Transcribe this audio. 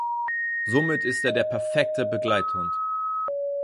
Somit ist er der perfekte Begleithund.